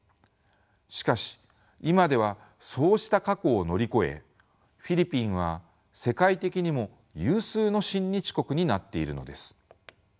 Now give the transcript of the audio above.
しかし今ではそうした過去を乗り越えフィリピンは世界的にも有数の親日国になっているのです。